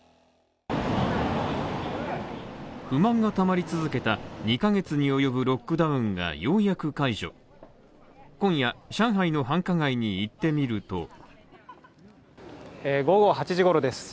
不満が溜まり続けた２ヶ月に及ぶロックダウンがようやく解除今夜、上海の繁華街に行ってみると午後８時ごろです